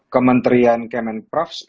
kementerian kemen prof